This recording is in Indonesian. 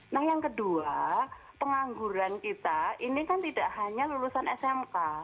nah yang kedua pengangguran kita ini kan tidak hanya lulusan smk